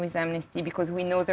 dengan amnesty karena kami tahu